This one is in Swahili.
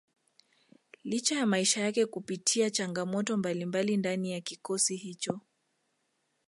licha ya maisha yake kupitia changamoto mbalimbali ndani ya kikosi hicho